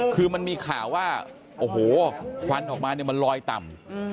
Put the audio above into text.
คือมันมีข่าวว่าโอ้โหควันออกมาเนี่ยมันลอยต่ำ